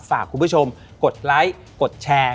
ฝากคุณผู้ชมกดไลค์กดแชร์